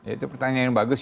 itu pertanyaan yang bagus